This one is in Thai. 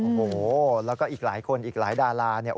โอ้โหแล้วก็อีกหลายคนอีกหลายดาราเนี่ย